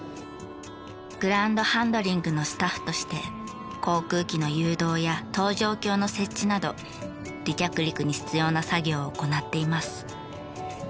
グランドハンドリングのスタッフとして航空機の誘導や搭乗橋の設置など離着陸に必要な作業を行っています。